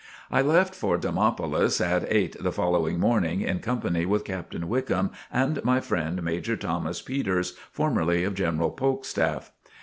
I left for Demopolis at eight the following morning, in company with Captain Wickham and my friend Major Thomas Peters, formerly of General Polk's staff.